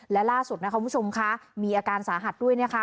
และล่าสุดนะคะคุณผู้ชมค่ะมีอาการสาหัสด้วยนะคะ